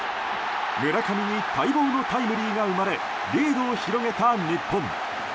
村上に待望のタイムリーが生まれリードを広げた日本。